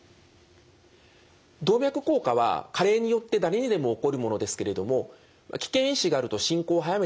動脈硬化は加齢によって誰にでも起こるものですけれども危険因子があると進行を速めてしまいます。